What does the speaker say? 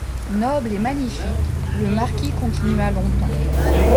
Noble et magnifique, le marquis continua longtemps.